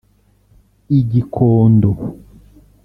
i Gikondo